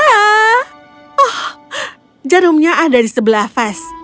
ah oh jarumnya ada di sebelah vas